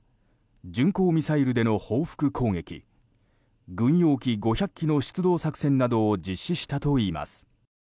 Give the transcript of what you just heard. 巡航ミサイルでの報復攻撃軍用機５００機の出動作戦などを実施したといいます。